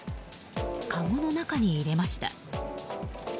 かごの中に入れました。